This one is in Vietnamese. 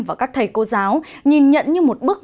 và các thầy cô giáo nhìn nhận như một bước